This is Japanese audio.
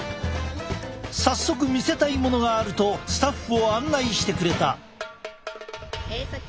早速見せたいものがあるとスタッフを案内してくれた。